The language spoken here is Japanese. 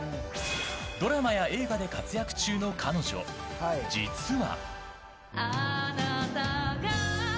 ドラマや映画で活躍中の彼女実は。